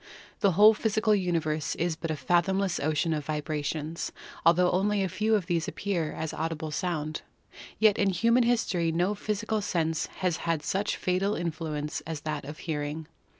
The whole physical universe is but a fathomless ocean of vibrations, altho only a few of these appear as audible sound. Yet in human his tory no physical sense has had such fateful influence as that of hearing.